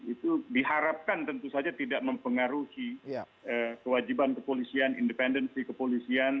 itu diharapkan tentu saja tidak mempengaruhi kewajiban kepolisian independensi kepolisian